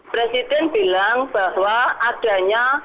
presiden bilang bahwa adanya